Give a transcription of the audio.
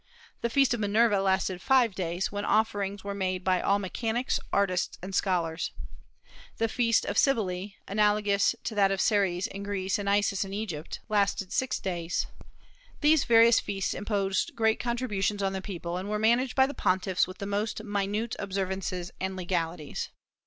The feast of Minerva lasted five days, when offerings were made by all mechanics, artists, and scholars. The feast of Cybele, analogous to that of Ceres in Greece and Isis in Egypt, lasted six days. These various feasts imposed great contributions on the people, and were managed by the pontiffs with the most minute observances and legalities.